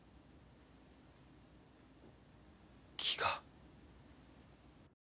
気が。